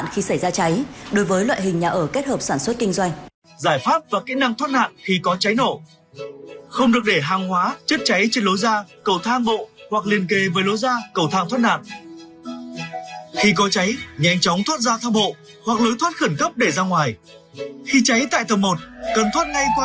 khi có cháy nhanh chóng thoát ra thang bộ hoặc lưới thoát khẩn cấp để ra ngoài